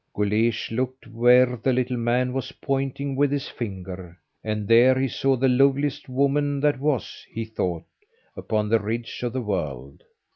Guleesh looked where the little man was pointing with his finger, and there he saw the loveliest woman that was, he thought, upon the ridge of the world.